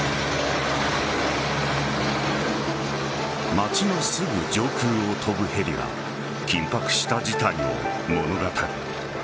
街のすぐ上空を飛ぶヘリが緊迫した事態を物語る。